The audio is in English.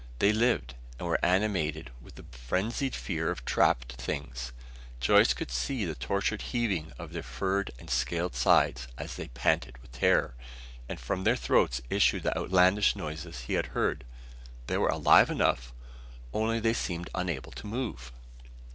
They lived, and were animated with the frenzied fear of trapped things. Joyce could see the tortured heaving of their furred and scaled sides as they panted with terror. And from their throats issued the outlandish noises he had heard. They were alive enough only they seemed unable to move!